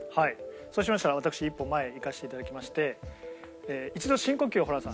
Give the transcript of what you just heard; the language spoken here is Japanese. そうしましたら私一歩前へ行かせていただきまして一度深呼吸をホランさん